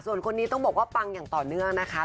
ส่วนคนนี้ต้องบอกว่าปังอย่างต่อเนื่องนะคะ